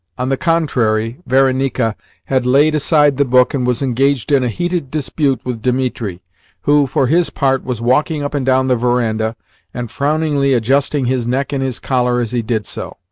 On the contrary, Varenika had laid aside the book, and was engaged in a heated dispute with Dimitri, who, for his part, was walking up and down the verandah, and frowningly adjusting his neck in his collar as he did so.